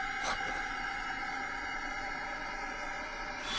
あっ。